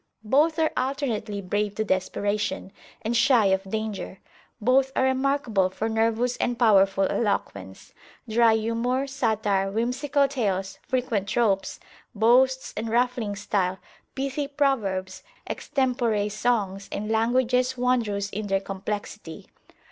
Both are alternately brave to desperation, and shy of danger. Both are remarkable for nervous and powerful eloquence; dry humour, satire, whimsical tales, frequent tropes; boasts, and ruffling style; pithy proverbs, extempore songs, and languages wondrous in their complexity.